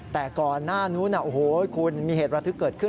แต่ก่อนหน้านู้นโอ้โหคุณมีเหตุระทึกเกิดขึ้น